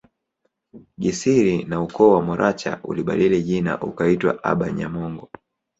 Gisiri na ukoo wa Moracha ulibadili jina ukaitwa abanyamongo